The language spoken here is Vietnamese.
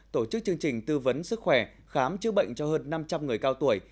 tổ chức chương trình tư vấn sức khỏe khám chữa bệnh cho hơn năm trăm linh người cao tuổi